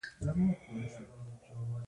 لعل د افغانستان د ښاري پراختیا سبب کېږي.